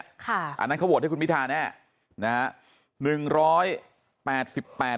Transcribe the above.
อันนั้นเขาโหวตให้คุณพิธาแน่นะฮะ